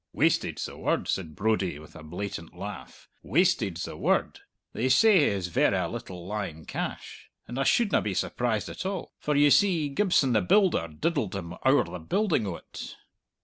"Wasted's the word!" said Brodie, with a blatant laugh. "Wasted's the word! They say he has verra little lying cash! And I shouldna be surprised at all. For, ye see, Gibson the builder diddled him owre the building o't."